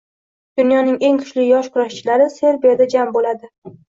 Dunyoning eng kuchli yosh kurashchilari Serbiyada jam bo‘lading